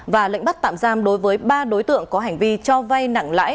và lệnh bắt tạm giam đối với ba đối tượng có hành vi cho vay nặng lãi